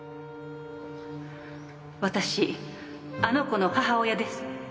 私あの子の母親です。